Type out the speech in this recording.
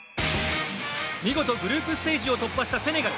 見事グループステージを突破したセネガル。